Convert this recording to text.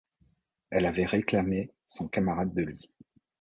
Elle avait réclamé son camarade de lit.